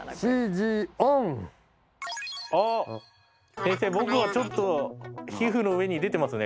先生僕はちょっと皮膚の上に出てますね。